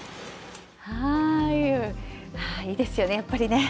いいですよね、やっぱりね。